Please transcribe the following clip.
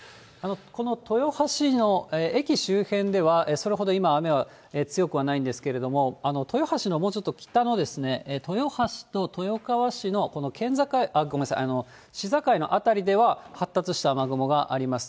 この豊橋の駅周辺では、それほど今、雨は強くはないんですけれども、豊橋のもうちょっと北の、豊橋と豊川市のこの市境の辺りでは、発達した雨雲があります。